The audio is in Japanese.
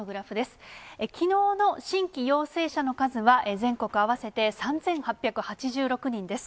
きのうの新規陽性者の数は、全国合わせて３８８６人です。